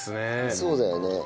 そうだよね。